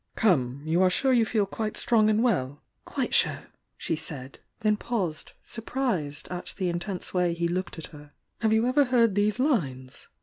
"Come! You are sure you feel strong and well?" "Quite sure!" she said, then paused, surprised at the intense way he looked at her. "Have you ever heard these lines?"